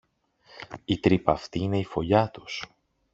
Η τρύπα αυτή είναι η φωλιά τους